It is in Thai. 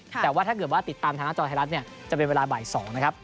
แต่ว่าถ้าเกิดว่าติดตามทางหน้าจอไทยรัฐเนี่ยจะเป็นเวลาบ่าย๒นะครับ